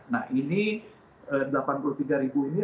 nah ini delapan puluh tiga ribu ini